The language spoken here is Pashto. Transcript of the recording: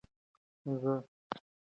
زه د فشار کمولو لپاره ارام پاتې کیږم.